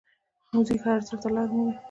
موزیک هر زړه ته لاره مومي.